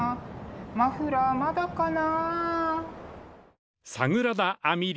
マフラーまだかなあ？